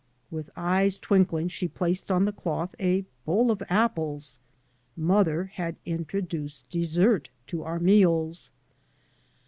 With eyes twinkling she placed on the cloth a bowl of apples; mother had intro duced dessert to our meals.